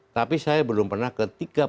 tapi saya belum pernah ke tiga puluh